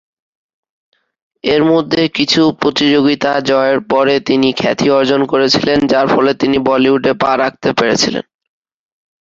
এর মধ্যে কিছু প্রতিযোগিতা জয়ের পরে তিনি খ্যাতি অর্জন করেছিলেন, যার ফলে তিনি বলিউডে পা রাখতে পেরেছিলেন।